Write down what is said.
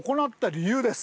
理由？